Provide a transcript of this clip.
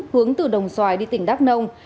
hướng từ đồng xoài đi tỉnh đắk nông